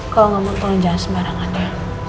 kau ngomong tolong jangan sembarangan ya